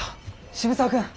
渋沢君！